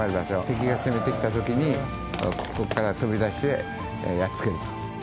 敵が攻めてきた時にここから飛び出してやっつけると。